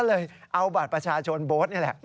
เลยเอาบัตรประชาชนโบ๊ทนี่แหละ